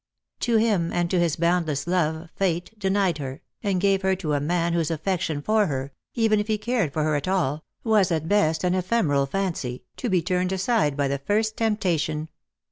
To him and to his boundless love Fate denied her, and gave her to a man whose affection for her — even if he cared for her at all — was at best an ephemeral fancy, to be turned aside by the first temptation.